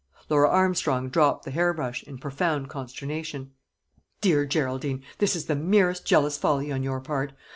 Laura Armstrong dropped the hair brush, in profound consternation. "My dear Geraldine, this is the merest jealous folly on your part.